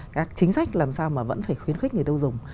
các chính sách làm sao mà vẫn phải khuyến khích người tiêu dùng